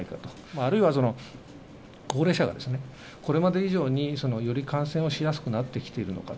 あるいは、高齢者がこれまで以上により感染をしやすくなってきているのかと。